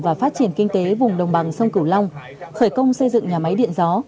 và phát triển kinh tế vùng đồng bằng sông cửu long khởi công xây dựng nhà máy điện gió